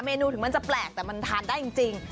เนนูถึงมันจะแปลกแต่มันทานได้จริง